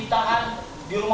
mati tidak datang dua kali pak